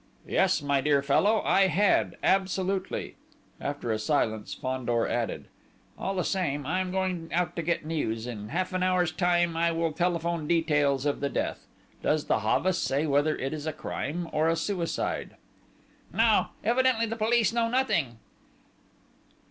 "Yes, my dear fellow, I had absolutely!" After a silence, Fandor added: "All the same, I am going out to get news. In half an hour's time, I will telephone details of the death. Does the Havas say whether it is a crime or a suicide?" "No. Evidently the police know nothing."